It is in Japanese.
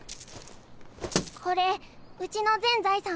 これうちの全財産。